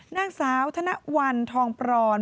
นางสาวธนวันทองปรอน